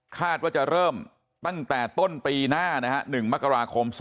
คาดว่าจะเริ่มตั้งแต่ต้นปีหน้านะฮะ๑มกราคม๒๕๖